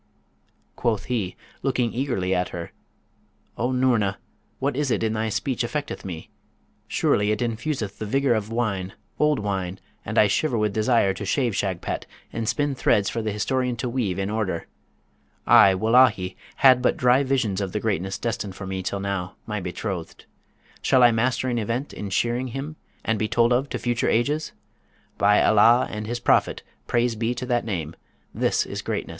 Quoth he, looking eagerly at her, 'O Noorna, what is it in thy speech affecteth me? Surely it infuseth the vigour of wine, old wine; and I shiver with desire to shave Shagpat, and spin threads for the historian to weave in order. I, wullahy! had but dry visions of the greatness destined for me till now, my betrothed! Shall I master an Event in shaving him, and be told of to future ages? By Allah and his Prophet (praise be to that name!), this is greatness!